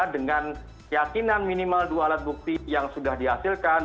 dengan keyakinan minimal dua alat bukti yang sudah dihasilkan